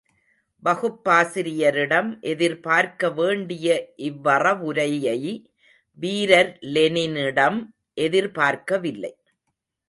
வகுப்பாசிரியரிடம் எதிர்பார்க்க வேண்டிய இவ்வறவுரையை வீரர் லெனினிடம் எதிர்பார்க்கவில்லை.